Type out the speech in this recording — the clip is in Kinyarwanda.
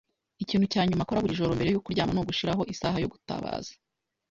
Ikintu cya nyuma akora buri joro mbere yo kuryama ni ugushiraho isaha yo gutabaza.